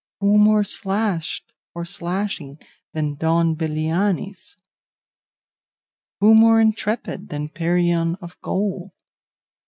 Who more slashed or slashing than Don Belianis? Who more intrepid than Perion of Gaul?